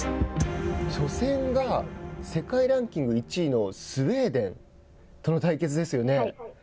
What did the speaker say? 初戦が世界ランキング１位のスウェーデンとの対決ですよね。